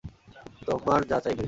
তোমার যা চাইবে।